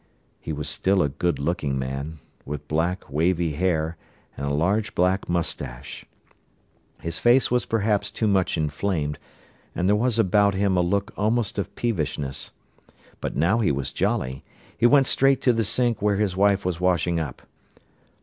He was still a good looking man, with black, wavy hair, and a large black moustache. His face was perhaps too much inflamed, and there was about him a look almost of peevishness. But now he was jolly. He went straight to the sink where his wife was washing up.